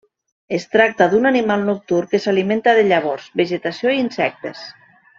Es tracta d'un animal nocturn que s'alimenta de llavors, vegetació i insectes.